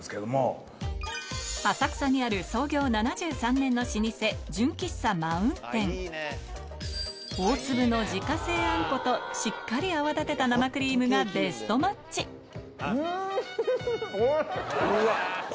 浅草にある創業７３年の老舗大粒の自家製あんことしっかり泡立てた生クリームがベストマッチうん！